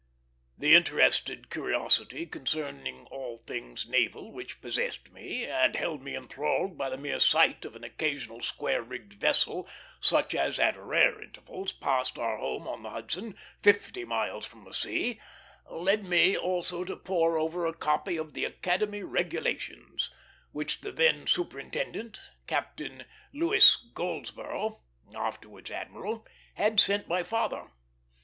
The interested curiosity concerning all things naval which possessed me, and held me enthralled by the mere sight of an occasional square rigged vessel, such as at rare intervals passed our home on the Hudson, fifty miles from the sea, led me also to pore over a copy of the Academy Regulations which the then superintendent, Captain Louis Goldsborough, (afterwards Admiral), had sent my father.